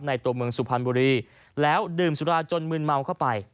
ตัวเมืองสุพรรณบุรีแล้วดื่มสุราจนมืนเมาเข้าไป